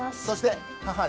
そして。